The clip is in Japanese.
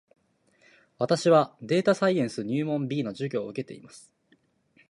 私はデータサイエンス入門 B の授業を受けています